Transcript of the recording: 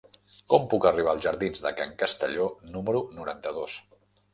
Com puc arribar als jardins de Can Castelló número noranta-dos?